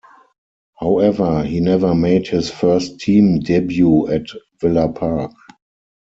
However, he never made his first team debut at Villa Park.